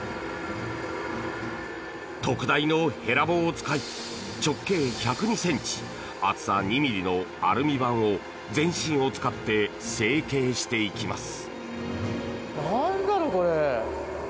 特大のへら棒を使い直径１０２ｃｍ厚さ２ｍｍのアルミ板を全身を使って成形していきます。